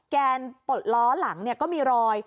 แกนปลดล้อหลังก็มีรอย